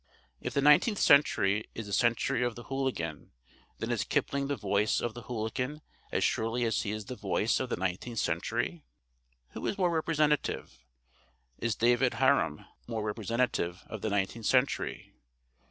If the nineteenth century is the century of the Hooligan, then is Kipling the voice of the Hooligan as surely as he is the voice of the nineteenth century. Who is more representative? Is David Harum more representative of the nineteenth century?